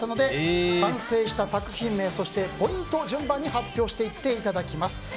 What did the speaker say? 完成した作品名そしてポイントを順番に発表していただきます。